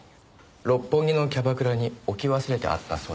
六本木のキャバクラに置き忘れてあったそうです。